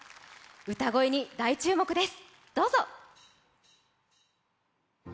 歌声に大注目です。